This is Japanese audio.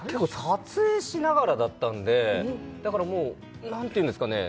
撮影しながらだったんでだからもう何ていうんですかね